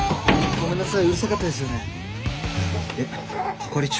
ごめんなさい。